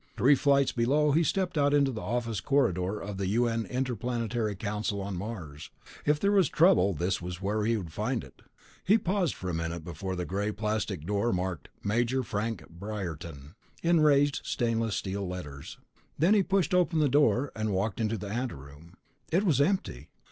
Three flights below he stepped out into the office corridor of the U.N. Interplanetary Council on Mars. If there was trouble, this was where he would find it. He paused for a minute before the gray plastic door marked MAJOR FRANK BRIARTON in raised stainless steel letters. Then he pushed open the door and walked into the ante room. It was empty.